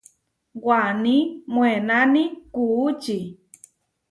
Waní moʼénani kuʼúči.